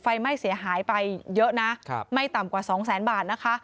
ไฟไหม้เสียหายไปเยอะนะไม่ต่ำกว่าสองแสนบาทนะคะ